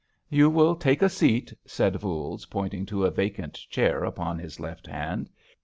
"You will take a seat," said Voules, pointing to a vacant chair upon his left hand.